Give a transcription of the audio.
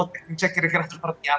pengencek kira kira seperti apa